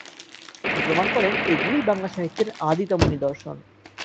তিনি প্রমাণ করেন এগুলিই বাংলা সাহিত্যের আদিতম নিদর্শন।